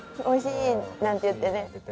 「おいしい」なんて言ってね